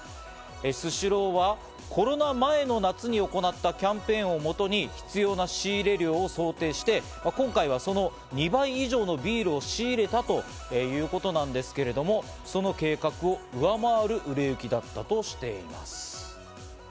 スシローはコロナ前の夏に行ったキャンペーンをもとに必要な仕入れ量を想定して、今回はその２倍以上のビールを仕入れたということなんですけれども、その計画を上回る売れ行きだったとしています。